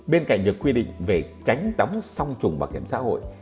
bên cạnh việc quy định về tránh đóng song trùng bảo hiểm xã hội